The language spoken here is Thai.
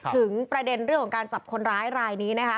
ถึงประเด็นเรื่องของการจับคนร้ายรายนี้นะคะ